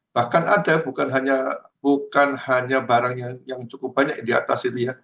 bahkan ada bukan hanya barang yang cukup banyak di atas itu ya